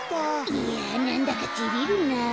いやなんだかてれるなあ。